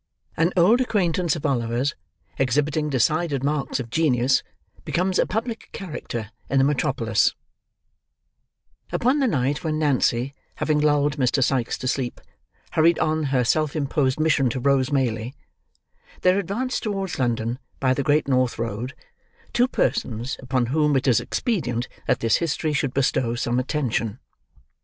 AN OLD ACQUAINTANCE OF OLIVER'S, EXHIBITING DECIDED MARKS OF GENIUS, BECOMES A PUBLIC CHARACTER IN THE METROPOLIS Upon the night when Nancy, having lulled Mr. Sikes to sleep, hurried on her self imposed mission to Rose Maylie, there advanced towards London, by the Great North Road, two persons, upon whom it is expedient that this history should bestow some attention.